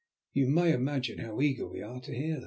"You may imagine how eager we are to hear."